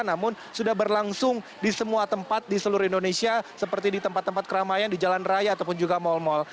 namun sudah berlangsung di semua tempat di seluruh indonesia seperti di tempat tempat keramaian di jalan raya ataupun juga mal mal